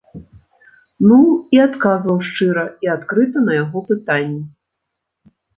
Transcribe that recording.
Ну, і адказваў шчыра і адкрыта на яго пытанні.